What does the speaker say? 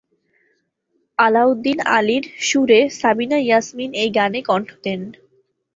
আলাউদ্দিন আলীর সুরে সাবিনা ইয়াসমিন এই গানে কণ্ঠ দেন।